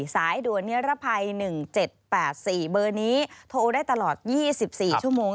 สายด่วนนิรภัย๑๗๘๔เบอร์นี้โทรได้ตลอด๒๔ชั่วโมง